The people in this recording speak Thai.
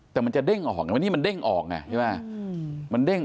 แต่มันจะเด้งออกวันนี้มันเด้งออกนะ